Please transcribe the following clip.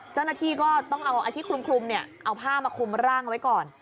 เจ้าหน้าที่ก็ต้องเอาที่คลุมเอาผ้ามาคลุมร่างไว้ก่อน